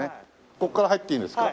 ここから入っていいんですか？